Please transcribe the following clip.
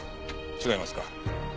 違いますか？